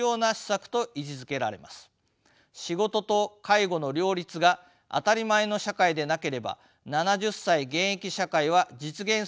仕事と介護の両立が当たり前の社会でなければ７０歳現役社会は実現することはできません。